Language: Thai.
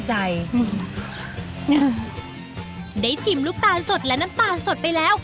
ได้ชิมลูกตาลสดและน้ำตาลสดไปแล้ว